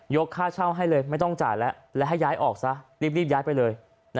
ค่าเช่าให้เลยไม่ต้องจ่ายแล้วและให้ย้ายออกซะรีบย้ายไปเลย